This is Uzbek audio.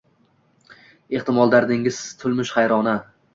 Ehtimol dardingiz tulmish haryona